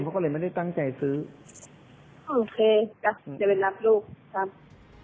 เขาก็เลยไม่ได้ตั้งใจซื้อโอเคจ้ะจะไปรับลูกครับ